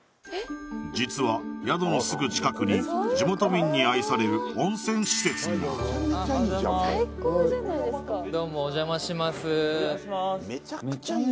実は宿のすぐ近くに地元民に愛される温泉施設がどうもお邪魔します